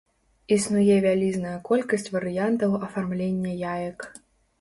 Існуе вялізная колькасць варыянтаў афармлення яек.